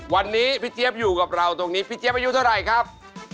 วันนี้พี่เจี๊ยบอยู่กับเราตรงนี้พี่เจี๊ยบอายุเท่าไหร่ครับ